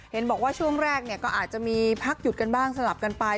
เห็นบอกว่าช่วงแรกก็อาจจะมีพักหยุดกันบ้างสลับกันไป